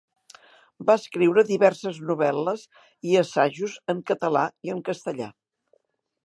Va escriure diverses novel·les i assajos en català i en castellà.